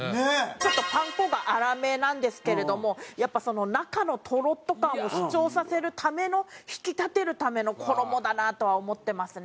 ちょっとパン粉が粗めなんですけれどもやっぱ中のトロッと感を主張させるための引き立てるための衣だなとは思ってますね。